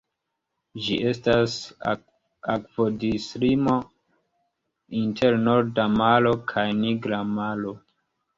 Ĝi estas akvodislimo inter Norda Maro kaj Nigra Maro.